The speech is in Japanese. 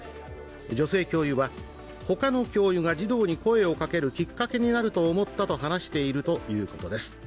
女性教諭は他の教諭が児童に声をかけるきっかけになると思ったと話しているということです。